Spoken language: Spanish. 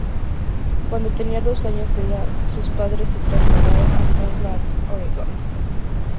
Cuando tenía dos años de edad, sus padres se trasladaron a Portland, Oregón.